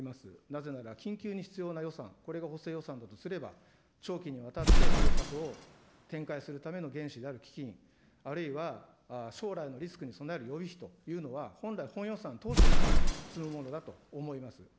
なぜなら緊急に必要な予算、これが補正予算だとすれば、長期にわたって政策を展開するための原資である基金、あるいは将来のリスクに備える予備費というのは、本来、本予算当初で積むものだと思います。